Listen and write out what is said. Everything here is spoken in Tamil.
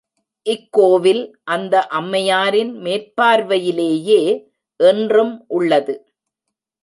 இக்கோவில் அந்த அம்மையாரின் மேற்பார்வையிலேயே இன்றும் உள்ளது.